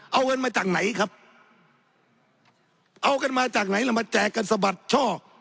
เอาเงินมาจากไหนครับเอากันมาจากไหนล่ะมาแจกกันสะบัดช่อ